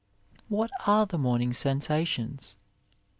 What are the morning sensa tions